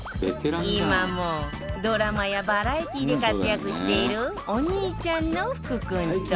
今もドラマやバラエティーで活躍しているお兄ちゃんの福君と